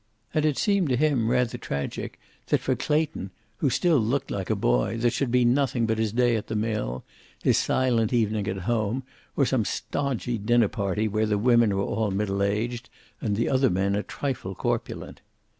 And it seemed to him rather tragic that for Clayton, who still looked like a boy, there should be nothing but his day at the mill, his silent evening at home, or some stodgy dinner party where the women were all middle aged, and the other men a trifle corpulent.